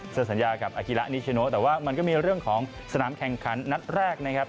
สัญญากับอาคิระนิชโนแต่ว่ามันก็มีเรื่องของสนามแข่งขันนัดแรกนะครับ